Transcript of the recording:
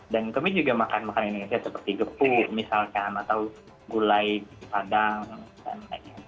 dan kami juga makan makan indonesia seperti gepu misalkan atau gulai padang dan lain lain